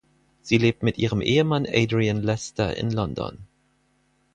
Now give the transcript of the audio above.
Sie lebt mit ihrem Ehemann Adrian Lester in London.